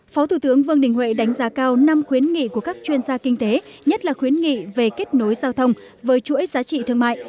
phương đình huệ đánh giá cao năm khuyến nghị của các chuyên gia kinh tế nhất là khuyến nghị về kết nối giao thông với chuỗi giá trị thương mại